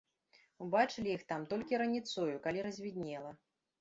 Убачылі іх там толькі раніцою, калі развіднела.